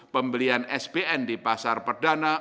pembelian spn di pasar perdana